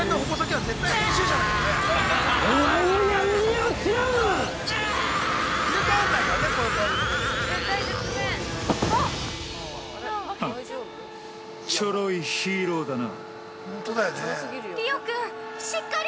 ◆はっ、ちょろいヒーローだな。